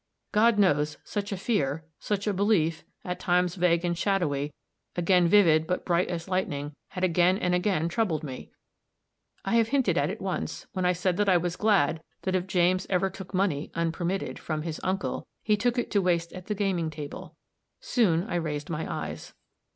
God knows, such a fear, such a belief, at times vague and shadowy, again vivid but brief as lightning, had again and again troubled me. I have hinted at it once, when I said that I was glad that if James ever took money, unpermitted, from his uncle, he took it to waste at the gaming table. Soon I raised my eyes.